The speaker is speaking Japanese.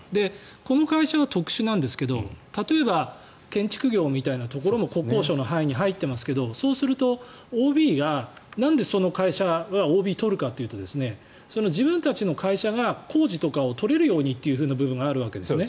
この会社は特殊なんですが例えば、建築業みたいなところも国交省の範囲に入っていますがそうすると、ＯＢがなんでその会社はＯＢを取るかというと自分たちの会社が工事とかを取れるようにという部分があるわけですね。